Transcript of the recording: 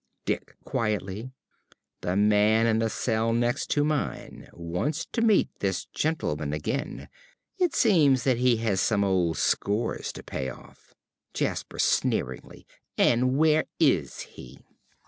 ~Dick~ (quietly). The man in the cell next to mine wants to meet this gentleman again. It seems that he has some old scores to pay off. ~Jasper~ (sneeringly). And where is he?